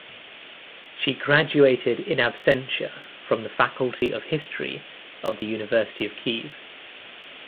She graduated in absentia from the Faculty of History of the University of Kyiv.